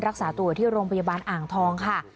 รักษาตัวอยู่ที่โรงพยาบาลอ่างทองค่ะ